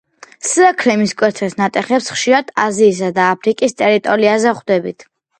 სირაქლემის კვერცხის ნატეხებს ხშირად აზიისა და აფრიკის ტერიტორიაზე ვხვდებით.